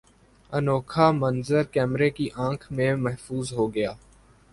انوکھا منظر کیمرے کی آنکھ میں محفوظ ہوگیا